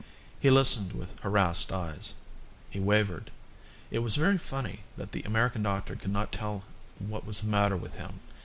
He listened with harassed eyes. He wavered. It was very funny that the American doctor could not tell what was the matter with him.